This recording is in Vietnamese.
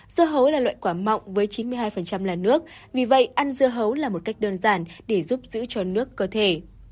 dưa hấu là loại quả mọng với chín mươi hai là nước vì vậy ăn dưa hấu là một cách đơn giản để giúp giữ cho nước cơ thể